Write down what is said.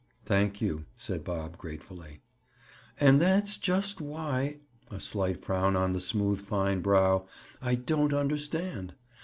"Thank you," said Bob gratefully. "And that's just why"—a slight frown on the smooth fine brow—"I don't understand.